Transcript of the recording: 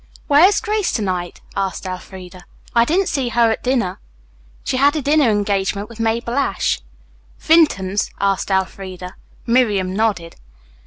"Where is Grace to night?" asked Elfreda. "I didn't see her at dinner." "She had a dinner engagement with Mabel Ashe." "Vinton's?" asked Elfreda. Miriam nodded.